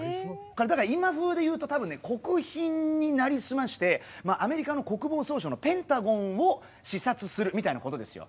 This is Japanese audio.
今風で言うと多分ね国賓になりすましてアメリカの国防総省のペンタゴンを視察するみたいなことですよ。